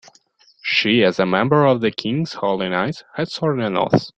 She, as a member of the king's holy knights, had sworn an oath.